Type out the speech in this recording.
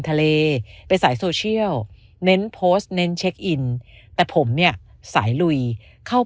ทะเลเป็นสายโซเชียลเน้นโพสต์เน้นเช็คอินแต่ผมเนี่ยสายลุยเข้าไป